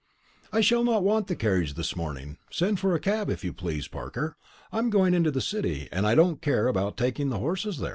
"I shall not want the carriage this morning; send for a cab, if you please, Parker. I am going into the City, and don't care about taking the horses there."